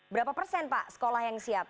berapa persen pak sekolah yang siap